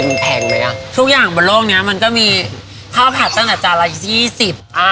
นัดทั่งแอปอะไรอย่างนี้